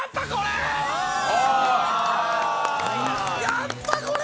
やっぱこれ！